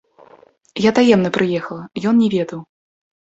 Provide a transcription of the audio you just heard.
Я таемна прыехала, ён не ведаў.